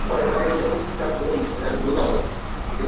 উদয়াদিত্য চক্ষু মুদ্রিত করিয়া কহিলেন, সুরমা কি?